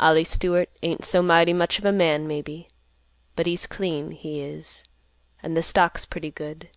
Ollie Stewart ain't so mighty much of a man, maybe, but he's clean, he is, and the stock's pretty good.